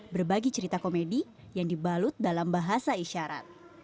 berbagi cerita komedi yang dibalut dalam bahasa isyarat